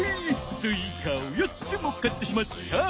スイカを４つも買ってしまった。